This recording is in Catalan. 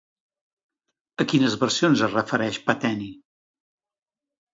A quines versions es refereix Pateni?